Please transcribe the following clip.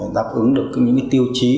đáp ứng được những tiêu chí